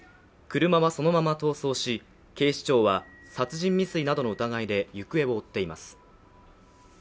車はそのまま逃走し、警視庁は殺人未遂などの疑いで行方を追っています。